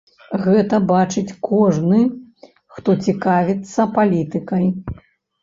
Гэта бачыць кожны, хто цікавіцца палітыкай.